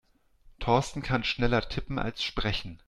Thorsten kann schneller tippen als sprechen.